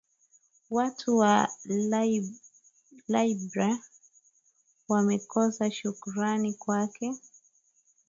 watu wa libya wamekosa shukrani kwake